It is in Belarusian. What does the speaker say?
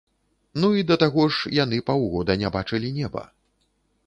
Ну і да таго ж, яны паўгода не бачылі неба.